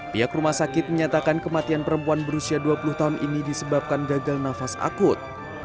pihak rumah sakit menyatakan kematian perempuan berusia dua puluh tahun ini disebabkan gagal nafas akut